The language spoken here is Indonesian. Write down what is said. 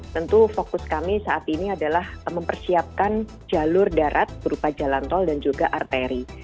tentu fokus kami saat ini adalah mempersiapkan jalur darat berupa jalan tol dan juga arteri